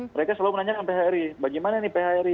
mereka selalu menanyakan phri bagaimana ini phri